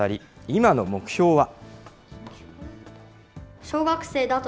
今の目標は。